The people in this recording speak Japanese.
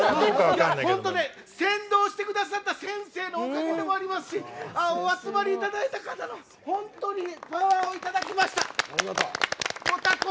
本当、先導してくださった先生のおかげでもありますしお集まりいただいた皆さんにパワーをいただきました。